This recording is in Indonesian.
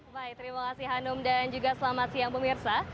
baik terima kasih hanum dan juga selamat siang pemirsa